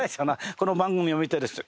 この番組を見てる人に。